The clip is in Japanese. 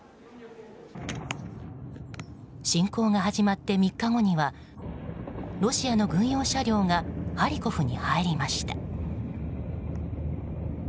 侵攻が始まって３日後にはロシアの軍用車両がハリコフに入りました。